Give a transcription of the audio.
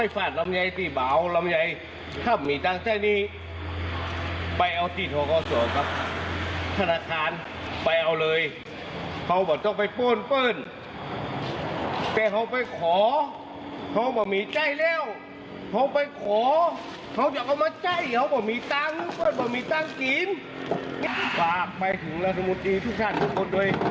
ฝากไปถึงราชมุตรดีทุกชาติทุกคนด้วย